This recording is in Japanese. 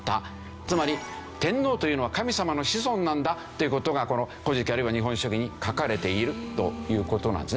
つまり天皇というのは神様の子孫なんだという事がこの『古事記』あるいは『日本書紀』に書かれているという事なんですね。